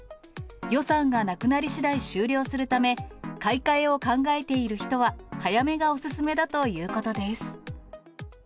予算がなくなりしだい終了するため、買い替えを考えている人は、早めがお勧めだということです。